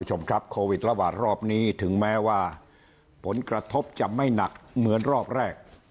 คุณผู้ชมครับโควิดระบาดรอบนี้ถึงแม้ว่าผลกระทบจะไม่หนักเหมือนรอบแรก